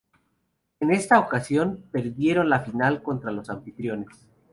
En esta ocasión perdieron la final contra los anfitriones.